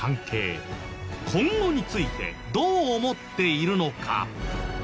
今後についてどう思っているのか？